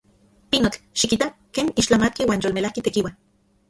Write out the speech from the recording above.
¡Pinotl! ¡Xikita ken ixtlamatki uan yolmelajki tekiua!